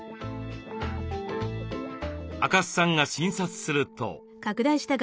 赤須さんが診察すると。